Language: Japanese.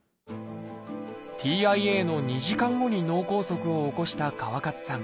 「ＴＩＡ」の２時間後に脳梗塞を起こした川勝さん。